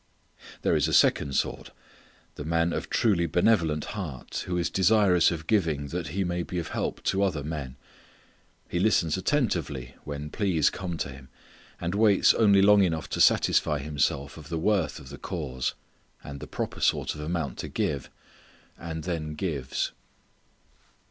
There is a second sort: the man of truly benevolent heart who is desirous of giving that he may be of help to other men. He listens attentively when pleas come to him, and waits only long enough to satisfy himself of the worth of the cause, and the proper sort of amount to give, and then gives.